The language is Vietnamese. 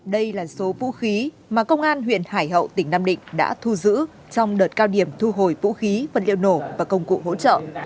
đây là số vũ khí mà công an huyện hải hậu tỉnh nam định đã thu giữ trong đợt cao điểm thu hồi vũ khí vật liệu nổ và công cụ hỗ trợ